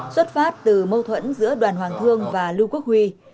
xuất phát từ mâu thuẫn giữa đoàn hoàng thương và lưu quốc huy